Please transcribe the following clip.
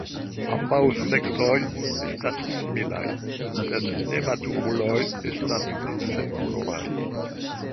Ambaŭ seksoj estas similaj, sed nematuruloj estas pli senkoloraj.